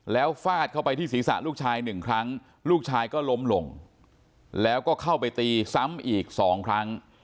แล้วฟาดเข้าไปที่ศีรษะลูกชายหนึ่งครั้งลูกชายก็ล้มลงแล้วก็เข้าไปตีซ้ำอีก๒ครั้ง